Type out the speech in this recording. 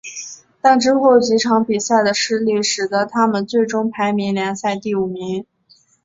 但之后几场比赛的失利使得他们最终排名联赛第五名。